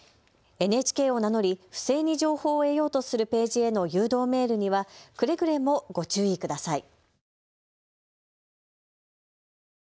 ＮＨＫを名乗り不正に情報を得ようとするページへの誘導メールにはくれぐれもご注意ください。